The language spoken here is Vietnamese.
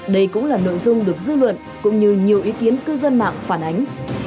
đây cũng là nội dung được dư luận cũng như nhiều ý kiến cư dân mạng phản ánh